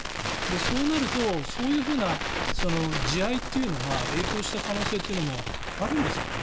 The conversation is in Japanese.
そうなるとそういう地合いというのが影響した可能性というのもあるんですかね。